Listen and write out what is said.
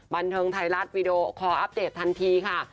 บันเทิงไทยรัฐวีดีโอคออัปเดตทันทีค่ะ